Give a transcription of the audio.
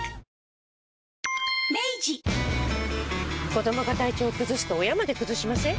子どもが体調崩すと親まで崩しません？